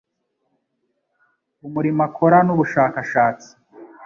umurimo akora n' ubushakashatsi